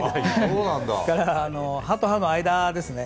それから歯と歯の間ですね。